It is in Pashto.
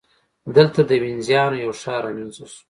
دلته د وینزیانو یو ښار رامنځته شو.